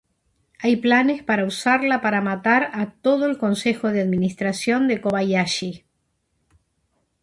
Hay planes para usarla para matar a todo el Consejo de Administración de Kobayashi.